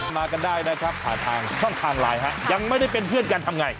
มากันได้นะครับผ่านทางช่องทางไลน์ฮะยังไม่ได้เป็นเพื่อนกันทำไง